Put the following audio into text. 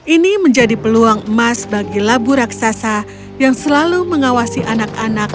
ini menjadi peluang emas bagi labu raksasa yang selalu mengawasi anak anak